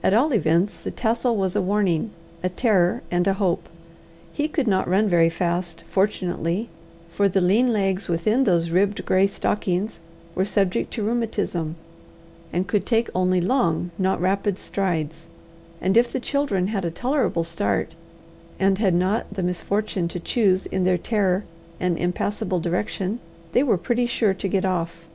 At all events the tassel was a warning, a terror, and a hope. He could not run very fast, fortunately, for the lean legs within those ribbed grey stockings were subject to rheumatism, and could take only long not rapid strides; and if the children had a tolerable start, and had not the misfortune to choose in their terror an impassable direction, they were pretty sure to get off.